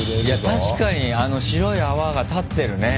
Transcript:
確かに白い泡が立ってるね。